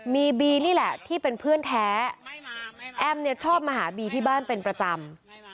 มีบีนี่แหละที่เป็นเพื่อนแท้แอมเนี่ยชอบมาหาบีที่บ้านเป็นประจำ